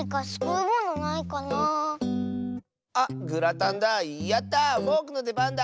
あっグラタンだ！